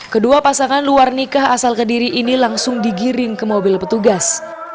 kedua pasangan luar nikah asal kediri ini langsung digiring ke mobil petugas